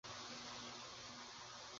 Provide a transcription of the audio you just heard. তাহার পর আবার ডাকিলেন, কে যায় গো।